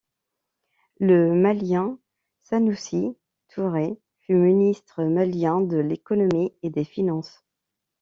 Le Malien Sanoussi Touré fut Ministre malien de l'économie et des finances.